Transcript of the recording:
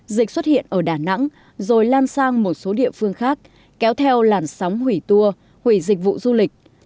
dịch xuất hiện ở đà nẵng rồi lan sang một số địa phương khác kéo theo làn sóng hủy tour hủy dịch vụ du lịch